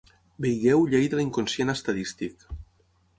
Vegeu Llei de l'inconscient estadístic.